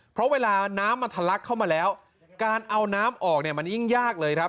เพราะเวลาน้ำมันทะลักเข้ามาแล้วการเอาน้ำออกเนี่ยมันยิ่งยากเลยครับ